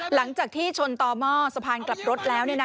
หลังจากที่ชนต่อหม้อสะพานกลับรถแล้ว